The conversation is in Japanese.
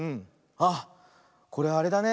あっこれあれだね。